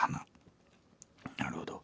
なるほど。